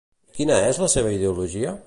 Quina és la seva ideologia?